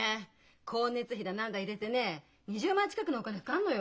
光熱費だ何だ入れてね２０万近くのお金がかかるのよ。